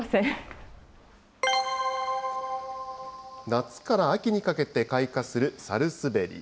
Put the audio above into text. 夏から秋にかけて開花するサルスベリ。